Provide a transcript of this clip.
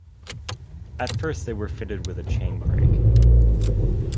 At first they were fitted with a chain brake.